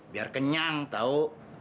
biar kenyang tau